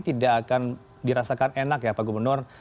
tidak akan dirasakan enak ya pak gubernur